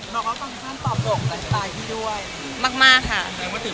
บอกว่าของซิซ่าปรับโตโกะก็สะดวกกับด้วย